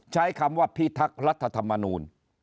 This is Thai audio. ใช้คำว่าพิทักษ์รัฐธรรมนูล